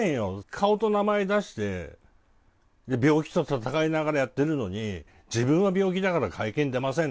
顔と名前出して、病気と闘いながらやってるのに、自分は病気だから会見出ません